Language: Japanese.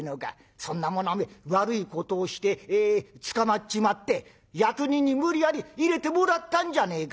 そんなもの悪いことをして捕まっちまって役人に無理やり入れてもらったんじゃねえか。